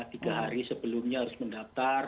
tiga hari sebelumnya harus mendaftar